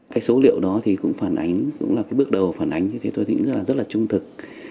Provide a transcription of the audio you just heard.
cái số liệu đó thì cũng phản ánh cũng là cái bước đầu phản ánh như thế tôi nghĩ rất là trung thực